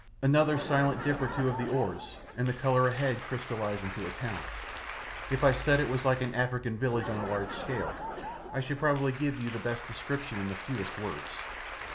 Another silent dip or two of the oars and the colour ahead crystallised into a town. If I said it was like an African village on a large scale, I should probably give you the best description in the fewest words.